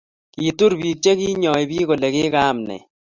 Kituur biik chenyoi biik kole kigaam ne?